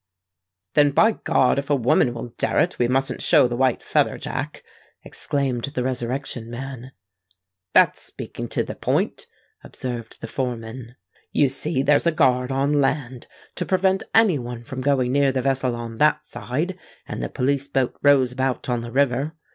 "Then, by God, if a woman will dare it, we mustn't show the white feather, Jack," exclaimed the Resurrection Man. "That's speaking to the point," observed the foreman. "You see there's a guard on land, to prevent any one from going near the vessel on that side; and the police boat rows about on the river.